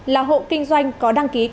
là hộ kinh doanh có đăng ký tài liệu